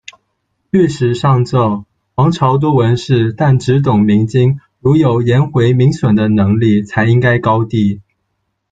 御史上奏：「皇朝多文士，但只懂明经，如果有颜回、闵损的能力才应该高第。